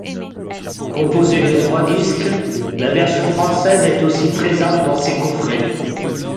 Composés de trois disques, la version française est aussi présente dans ces coffrets.